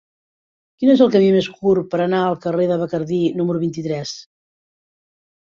Quin és el camí més curt per anar al carrer de Bacardí número vint-i-tres?